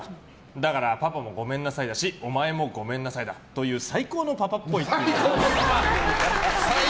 だから、パパもごめんなさいだしお前もごめんなさいだっていう最高のパパ！